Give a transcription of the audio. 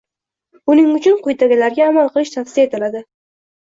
Buning uchun quyidagilarga amal qilish tavsiya etiladi.